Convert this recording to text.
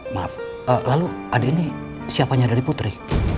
maaf lalu adik ini siapanya dari putri